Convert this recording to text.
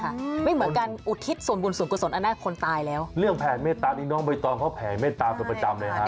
ใช่ค่ะไม่เหมือนกันอุทิศสวนบุญสวนกุศลอาณาคนตายแล้วเรื่องแผ่เมตตานี่น้องบยตอนเขาแผ่เมตตาประจำเลยค่ะ